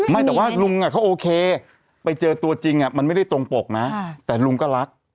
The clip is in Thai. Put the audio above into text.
ไม่แต่ว่าลุงเขาโอเคไปเจอตัวจริงมันไม่ได้ตรงปกนะแต่ลุงก็รัก